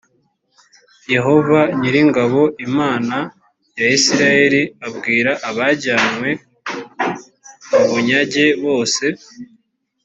yehova nyir ingabo imana ya isirayeli abwira abajyanywe mu bunyage bose